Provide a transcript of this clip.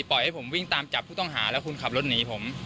ปล่อยให้ผมวิ่งตามจับผู้ต้องหาแล้วคุณขับรถหนีผม